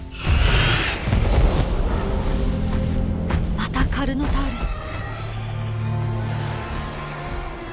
またカルノタウルス。